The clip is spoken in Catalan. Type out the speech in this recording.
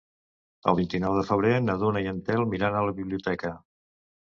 El vint-i-nou de febrer na Duna i en Telm iran a la biblioteca.